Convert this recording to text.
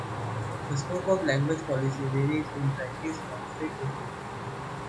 The scope of language policy varies in practice from State to State.